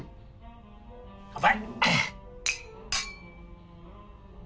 乾杯！